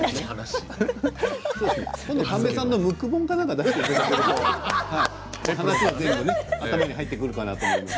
今度、神戸さんのムック本か何かを出していただければ頭に入ってくるかなと思います。